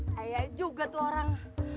sayang juga tuh orang